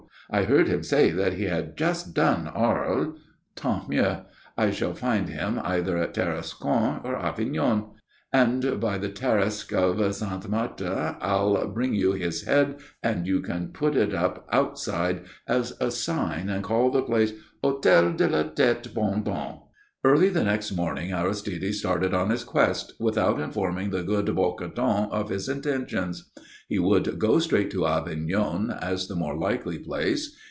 "I heard him say that he had just done Arles." "Tant mieux. I shall find him either at Tarascon or Avignon. And by the Tarasque of Sainte Marthe, I'll bring you his head and you can put it up outside as a sign and call the place the 'Hôtel de la Tête Bondon.'" [Illustration: HE BURST INTO SHRIEKS OF LAUGHTER] Early the next morning Aristide started on his quest, without informing the good Bocardon of his intentions. He would go straight to Avignon, as the more likely place.